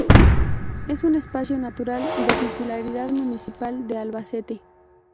Es un espacio natural de titularidad municipal de Albacete.